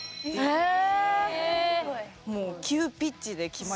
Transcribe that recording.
へえ！